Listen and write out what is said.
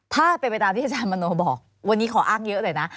ถ้าเป็นไปตามที่อาจารย์มโนบอกวันนี้ขออ้างเยอะเลยนะ